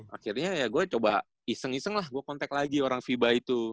akhirnya ya gua coba iseng iseng lah gua kontak lagi orang viva itu